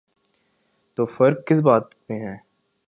تو فرق کس بات میں ہے؟